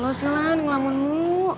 lo selan ngelamun mu